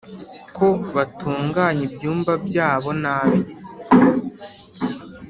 Ko batunganya ibyumba byabo nabi